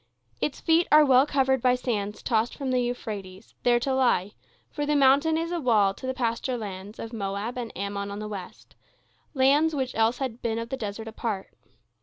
Its feet are well covered by sands tossed from the Euphrates, there to lie, for the mountain is a wall to the pasture lands of Moab and Ammon on the west—lands which else had been of the desert a part.